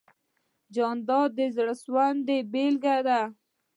جانداد د زړه سواندۍ بېلګه ده.